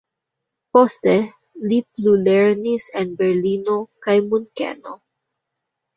Poste li plulernis en Berlino kaj Munkeno.